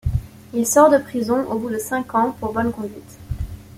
Il sort de prison au bout de cinq ans pour bonne conduite.